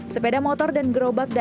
sepeda motor dan gerobak